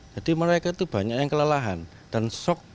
jadi mereka itu banyak yang kelelahan dan shock